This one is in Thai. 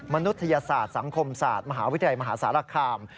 มนุษยศาสตร์สังคมศาสตร์มหาวิทยาละคร่าม